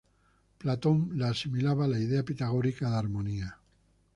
Platón la asimilaba a la idea pitagórica de armonía.